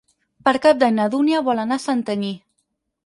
Per Cap d'Any na Dúnia vol anar a Santanyí.